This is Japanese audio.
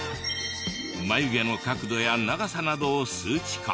眉毛の角度や長さなどを数値化。